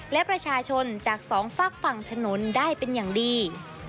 และประชาชนจากสองฝากฝั่งถนนได้เป็นอย่างดี